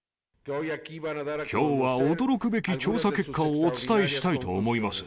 きょうは驚くべき調査結果をお伝えしたいと思います。